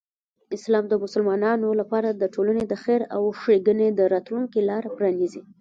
اسلام د مسلمانانو لپاره د ټولنې د خیر او ښېګڼې د راتلوونکی لاره پرانیزي.